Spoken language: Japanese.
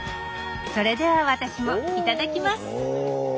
それでは私もいただきます